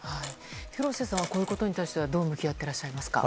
廣瀬さんはこういうことに対してどう向き合っていますか。